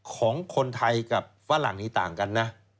ของคนไทยกับฝรั่งนี้ต่างกันนะ